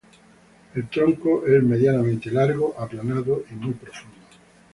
El tronco es medianamente largo, aplanado y muy profundo.